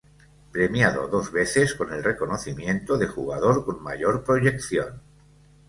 Premiado dos veces con el reconocimiento de "Jugador con Mayor Proyección".